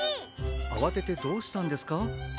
あわててどうしたんですか？